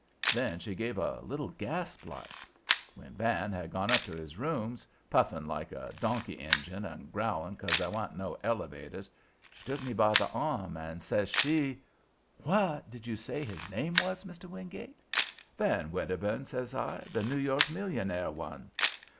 Then she gave a little gasp like. When Van had gone up to his rooms, puffing like a donkey engyne and growling 'cause there wa'n't no elevators, she took me by the arm and says she: "WHAT did you say his name was, Mr. Wingate?" "Van Wedderburn," says I. "The New York millionaire one."